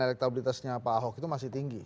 dan elektabilitasnya pak ahok itu masih tinggi